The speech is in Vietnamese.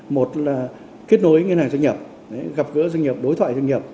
một là kết nối ngân hàng trung ương gặp gỡ doanh nghiệp đối thoại doanh nghiệp